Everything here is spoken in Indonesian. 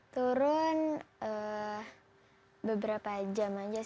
turun beberapa jam aja